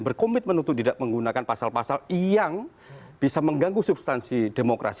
berkomitmen untuk tidak menggunakan pasal pasal yang bisa mengganggu substansi demokrasi